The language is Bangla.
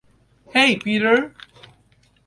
হেই, পিটার!